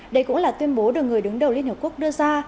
đây cũng là tuyên bố được người đứng đầu liên hợp quốc đưa ra